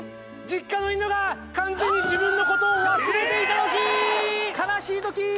実家の犬が完全に自分の事を忘れていたときー。